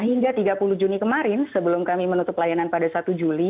hingga tiga puluh juni kemarin sebelum kami menutup layanan pada satu juli